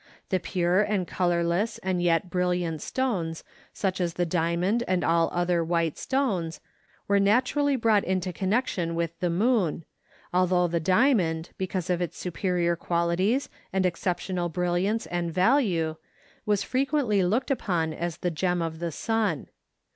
The pure and colorless and yet brilliant stones, such as the diamond and all other white stones, were naturally brought into connection with the moon, although the diamond, because of its superior qualities and exceptional brilliance and value, was frequently looked upon as the gem of the sun.